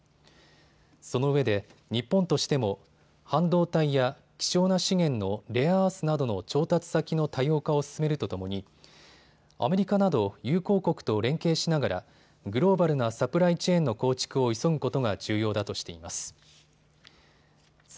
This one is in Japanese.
そのうえで日本としても半導体や希少な資源のレアアースなどの調達先の多様化を進めるとともにアメリカなど友好国と連携しながらグローバルなサプライチェーンの構築を急ぐことが重要だとしています。